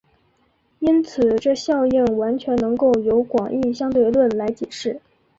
因此这效应完全能够由广义相对论来解释。